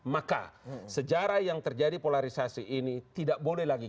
maka sejarah yang terjadi polarisasi ini tidak boleh lagi